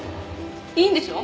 いいんでしょ？